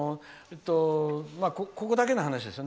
ここだけの話ですよ。